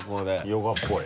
ヨガっぽい。